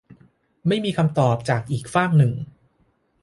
ไม่มีคำตอบจากอีกฟากหนึ่ง